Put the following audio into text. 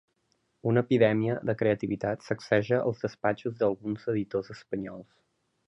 Una epidèmia de creativitat sacseja els despatxos d'alguns editors espanyols.